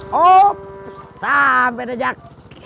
hop sampai deh jak